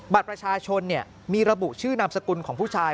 บัตรประชาชนมีระบุชื่อนามสกุลของผู้ชาย